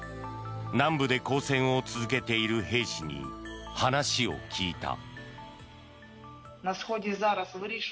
南部で抗戦を続けている兵士に話を聞いた。